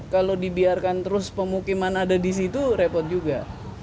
kalau dibiarkan terus pemukiman ada di situ repot juga